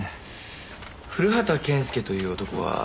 古畑健介という男はその後？